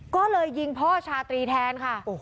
ก็เลยยิงพ่อชาตรีแทนค่ะ